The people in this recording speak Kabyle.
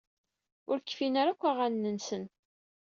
Ur kfin ara akk aɣanen-nsen.